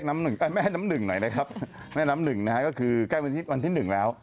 แม่น้ำหนึ่ง